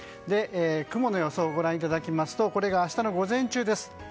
雲の予想をご覧いただきますと明日の午前中です。